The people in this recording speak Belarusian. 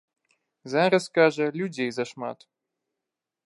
Зараз, кажа, людзей зашмат.